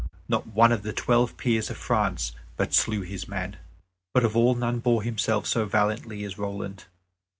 Not one of the Twelve Peers of France but slew his man. But of all none bore himself so valiantly as Roland.